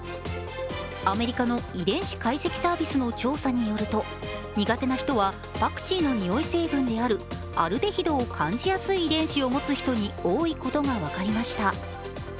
アメリカの遺伝子解析サービスの調査によると苦手な人はパクチーの匂い成分であるアルデヒドを感じやすい遺伝子を持つ人に多いことが分かりました。